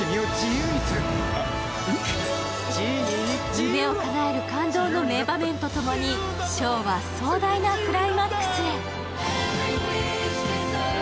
夢をかなえる感動の名場面とともにショーは壮大なクライマックスへ。